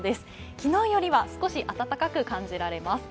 昨日よりは少し暖かく感じられます。